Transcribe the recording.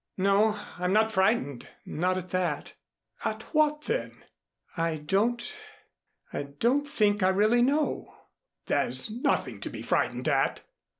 "No. I'm not frightened not at that." "At what, then?" "I don't I don't think I really know." "There's nothing to be frightened at."